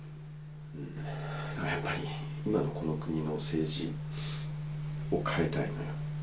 やっぱり今のこの国の政治を変えたい。